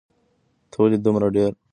ته ولې دومره ډېره ارامه یې؟